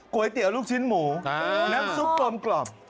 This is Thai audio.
ก๋วยเตี๋ยวลูกชิ้นหมูน้ำซุปกลม